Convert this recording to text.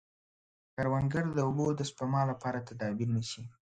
کروندګر د اوبو د سپما لپاره تدابیر نیسي